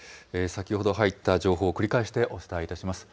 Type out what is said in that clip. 先ほど入った情報を繰り返してお伝えいたします。